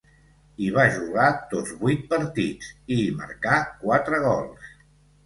Hi va jugar tots vuit partits, i hi marcà quatre gols.